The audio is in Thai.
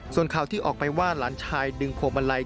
ส่วนข่าวที่ออกไปว่าหลานชายดึงพวงมาลัย